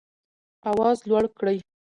آواز لوړ کړئ